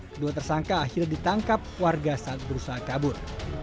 kedua tersangka akhirnya ditangkap warga saat berusaha kabur